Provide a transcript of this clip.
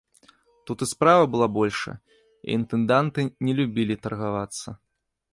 Тут і справа была большая, і інтэнданты не любілі таргавацца.